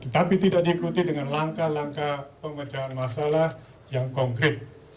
tapi tidak diikuti dengan langkah langkah pengecahan masalah yang konkret